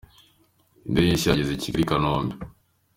Indege nshya yageze i Kigali ikanombe